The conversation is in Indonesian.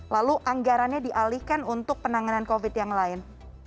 lalu anggarannya dialihkan untuk penanganan covid yang lain